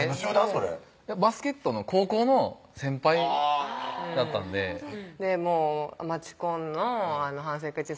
それバスケットの高校の先輩だったんで街コンの反省会中